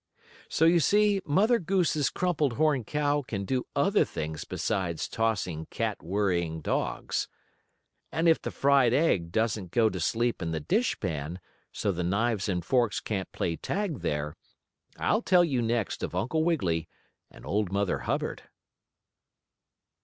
So you see Mother Goose's crumpled horn cow can do other things besides tossing cat worrying dogs. And if the fried egg doesn't go to sleep in the dish pan, so the knives and forks can't play tag there, I'll tell you next of Uncle Wiggily and Old Mother Hubbard.